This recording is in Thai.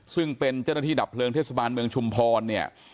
ซึ่งเป็นเจ้าหน้าที่ดับเพลิงเทศบาลเมืองชุมพรเนี่ย